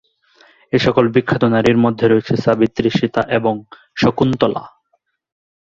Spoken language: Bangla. এসকল বিখ্যাত নারীর মধ্যে রয়েছে সাবিত্রী, সীতা, এবং শকুন্তলা।